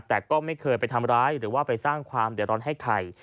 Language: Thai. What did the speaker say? แต่ก็ไม่เคยไปทำร้ายหรือว่าไปสร้างความเดือดร้อนให้ใคร